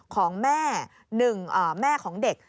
ของแม่หนึ่งแม่ของเด็ก